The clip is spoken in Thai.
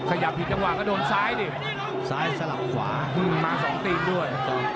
ขยับผิดจังหวะก็โดนซ้ายดิซ้ายสลับขวามา๒ตีนด้วย